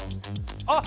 あっ！